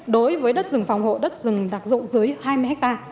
đối với đất rừng phòng hộ đất rừng đặc dụng dưới hai mươi hectare